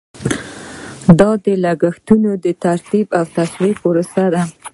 دا د لګښتونو د ترتیب او تشریح پروسه ده.